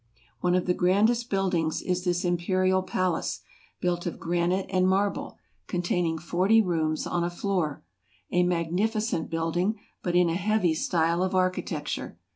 One of the grandest buildings is this Imperial RUSSIA. 27 palace, built of granite and marble ; containing forty rooms on a floor. A magnificent building, but in a heavy style of architecture.